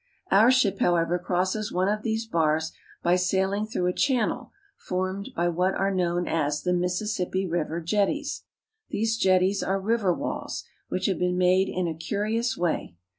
Our ship, however, crosses one of these bars by sailing through a channel formed by what are known as the Mis sissippi River jetties. These jetties are river walls, which have been made in a curious way.